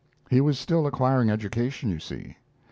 He was still acquiring education, you see.